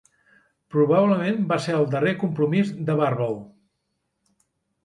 Probablement va ser el darrer compromís de "Barbel".